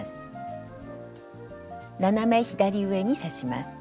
斜め左上に刺します。